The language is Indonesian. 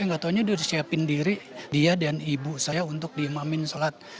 eh nggak taunya dia udah siapin diri dia dan ibu saya untuk diimamin sholat